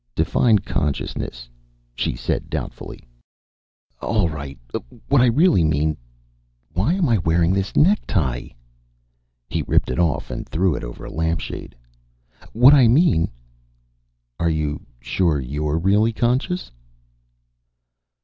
"Define consciousness," she said doubtfully. "All right, what I really mean why am I wearing this necktie?" He ripped it off and threw it over a lampshade. "What I mean " "Are you sure you're really conscious?"